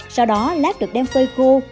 sau đó lát được đem phơi khô